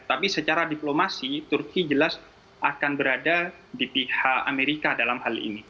tapi secara diplomasi turki jelas akan berada di pihak amerika dalam hal ini